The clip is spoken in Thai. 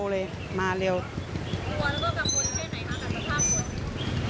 กลัวแล้วก็กระมุนแค่ไหนคะกับสภาพหมด